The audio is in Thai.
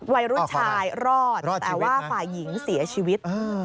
วัยรุ่นชายรอดแต่ว่าฝ่ายหญิงเสียชีวิต